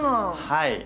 はい。